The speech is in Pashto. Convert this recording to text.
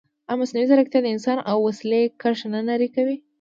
ایا مصنوعي ځیرکتیا د انسان او وسیلې کرښه نه نری کوي؟